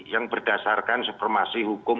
yang berdasarkan supremasi hukum